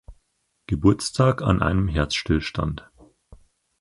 Geburtstag an einem Herzstillstand.